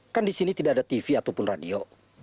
kan di sini tidak ada tv ataupun radio